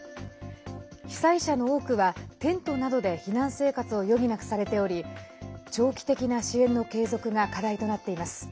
被災者の多くは、テントなどで避難生活を余儀なくされており長期的な支援の継続が課題となっています。